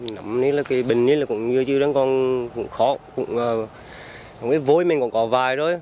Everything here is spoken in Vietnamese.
nắm này là cái bình này cũng như chưa còn khó vôi mình còn có vài rồi